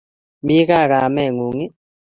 Mi kaa kameng'ung' ii?